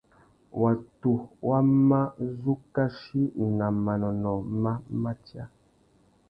Watu wá má zu kachi nà manônôh má matia.